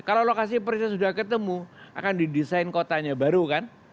kalau lokasi persis sudah ketemu akan didesain kotanya baru kan